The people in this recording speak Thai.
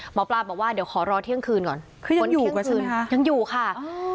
หมอปลาบอกว่าเดี๋ยวขอรอเที่ยงคืนก่อนคือยังอยู่กว่าฉันนะคะยังอยู่ค่ะ